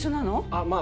あっまあ